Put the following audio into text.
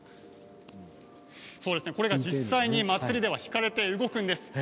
これが実際に祭りでは引かれて動くんです。